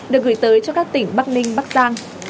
được gửi tới cho các tỉnh bắc ninh bắc giang